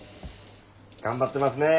頑張ってますねえ